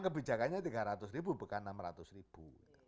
kebijakannya tiga ratus ribu bukan enam ratus ribu